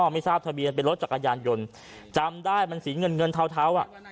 ไม่ทราบทะเบียนเป็นรถจักรยานยนต์จำได้มันสีเงินเงินเทาอ่ะ